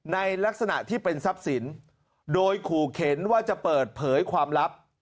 ในลักษณะที่เป็นทรัพย์สินโดยขู่เข็นว่าจะเปิดเผยความลับ